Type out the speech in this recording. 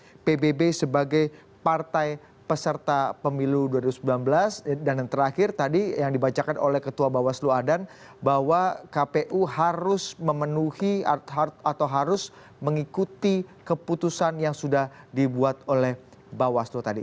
ini pbb sebagai partai peserta pemilu dua ribu sembilan belas dan yang terakhir tadi yang dibacakan oleh ketua bawaslu adan bahwa kpu harus memenuhi atau harus mengikuti keputusan yang sudah dibuat oleh bawaslu tadi